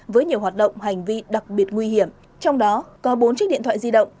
với nhiều hoạt động hành vi đặc biệt nguy hiểm trong đó có bốn chiếc điện thoại di động